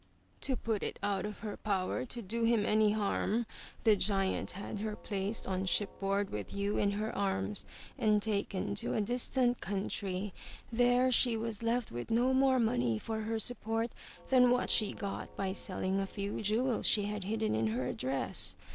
'To put it out of her power to do him any harm, the giant had her placed on shipboard with you in her arms, and taken to a distant country. There she was left with no more money for her support than what she got by selling a few jewels she had hidden in her dress.